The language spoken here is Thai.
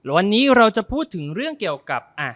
วันนี้เราจะพูดเรื่องกับ